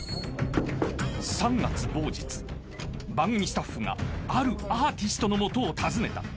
［番組スタッフがあるアーティストの元を訪ねた］